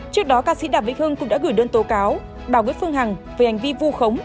trước đó ca sĩ đàm vĩnh hưng cũng đã gửi đơn tố cáo bà nguyễn phương hằng về hành vi vu khống